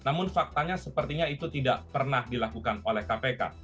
namun faktanya sepertinya itu tidak pernah dilakukan oleh kpk